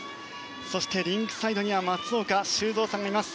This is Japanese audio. そしてリンクサイドには松岡修造さんがいます。